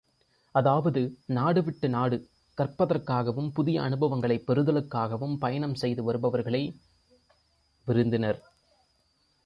அதாவது நாடுவிட்டு நாடு, கற்பதற்காகவும் புதிய அனுபவங்களைப் பெறுதலுக்காகவும் பயணம் செய்து வருபவர்களே விருந்தினர்.